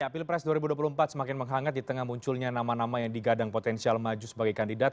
pilpres dua ribu dua puluh empat semakin menghangat di tengah munculnya nama nama yang digadang potensial maju sebagai kandidat